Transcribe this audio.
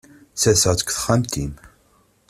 Serseɣ-tt deg texxamt-im.